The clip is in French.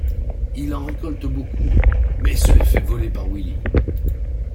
Il en récolte beaucoup, mais se les fait voler par Willie.